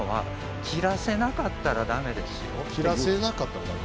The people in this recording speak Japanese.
「斬らせなかったらダメ」。